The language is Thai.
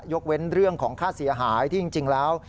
เว้นเรื่องของค่าเสียหายที่จริงแล้ว